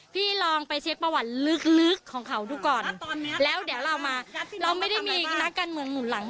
พี่ลองไปเช็คประวัติลึกของเขาดูก่อนแล้วเดี๋ยวเรามาเราไม่ได้มีนักการเมืองหมุนหลัง